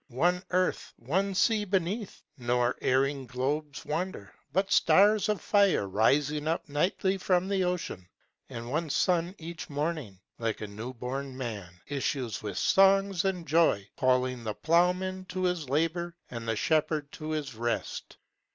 One Earth, one sea beneath; nor erring globes wander, but stars Of fire rise up nightly from the ocean; and one sun Each morning, like a new born man, issues with songs and joy Calling the Plowman to his labour and the Shepherd to his rest.